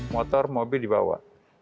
motor mobil dibawa